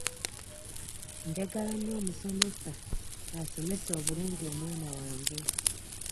Njagala nnyo omusomesa asomesa obulungi omwana wange.